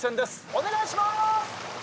お願いしまーす！